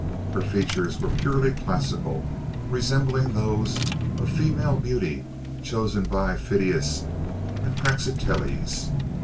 Her features were purely classic: resembling those types of female beauty chosen by Phidias or Praxiteles.